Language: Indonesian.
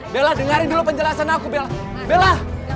bella dengarin dulu penjelasan aku bella